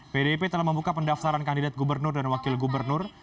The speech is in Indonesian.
pdip telah membuka pendaftaran kandidat gubernur dan wakil gubernur